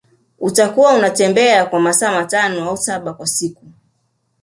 Utakuwa unatembea kwa masaa tano au saba kwa siku